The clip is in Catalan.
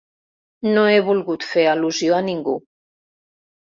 No he volgut fer al·lusió a ningú.